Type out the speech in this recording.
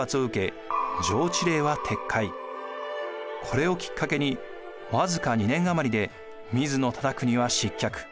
これをきっかけに僅か２年余りで水野忠邦は失脚。